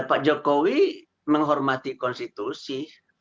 pak jokowi menghormati konstitusi